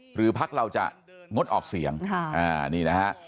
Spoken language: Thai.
พักเราจะงดออกเสียงนี่นะฮะ